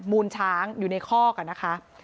มูลช้างอยู่ในคอกนะคะ